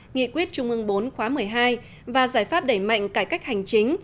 nghị quyết trung ương bốn khóa một mươi hai và giải pháp đẩy mạnh cải cách hành chính